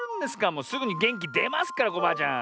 もうすぐにげんきでますからコバアちゃん。